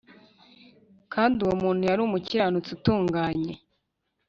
kandi uwo muntu yari umukiranutsi utunganye,